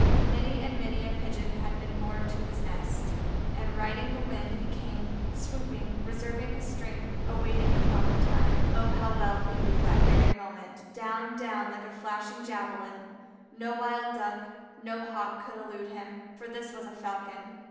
Many and many a Pigeon had been borne to his nest, and riding the wind he came, swooping, reserving his strength, awaiting the proper time. Oh, how well he knew the very moment! Down, down like a flashing javelin; no wild Duck, no Hawk could elude him, for this was a Falcon.